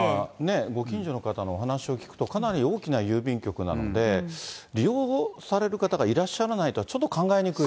ご近所の方のお話を聞くと、かなり大きな郵便局なので、利用される方がいらっしゃらないとは、ちょっと考えにくい。